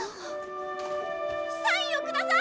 サインを下さい！